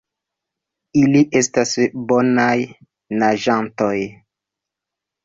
Ili estas bonaj naĝantoj.